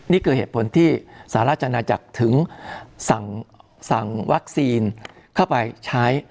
นี่คือเหตุผลที่สหราชอาณาจักรถึงสั่งวัคซีนเข้าไปใช้